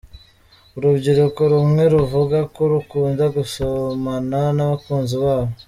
Urubyiruko rumwe ruvuga ko rukunda gusomana n’abakunzi babo.